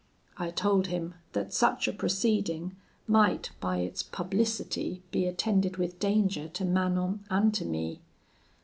I told him that such a proceeding might by its publicity be attended with danger to Manon and to me.